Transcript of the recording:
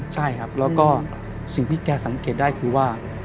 ใช่ครับแล้วก็สิ่งที่แกสังเกตได้คือว่า